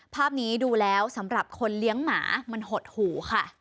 ภาพนี้ดูแล้วสำหรับคนเลี้ยงหมามันหดหูค่ะ